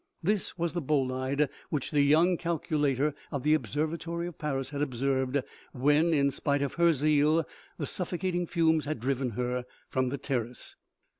(This was the bolide which the young calculator of the ob servatory of Paris had observed when, in spite of her zeal, the suffocating fumes had driven her from the terrace.)